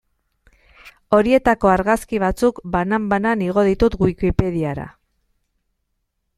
Horietako argazki batzuk, banan-banan, igo ditut Wikipediara.